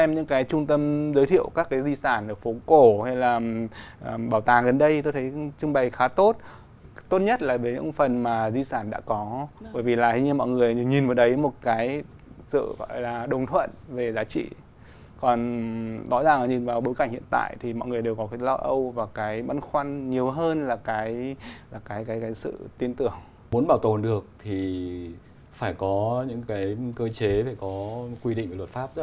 nhìn tổng thể vẫn là một cái đô thị có cái linh hồn có không khí ở đấy